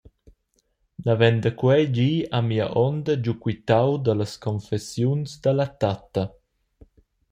Naven da quei di ha mia onda giu quitau dallas confessiuns dalla tatta.